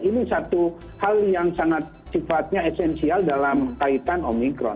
ini satu hal yang sangat sifatnya esensial dalam kaitan omikron